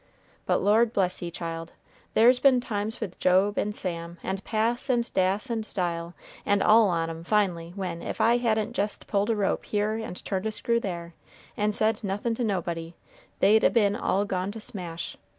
But Lord bless ye, child, there's been times with Job, and Sam, and Pass, and Dass, and Dile, and all on 'em finally, when, if I hadn't jest pulled a rope here and turned a screw there, and said nothin' to nobody, they'd a been all gone to smash.